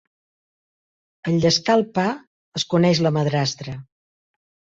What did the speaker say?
En llescar el pa es coneix la madrastra.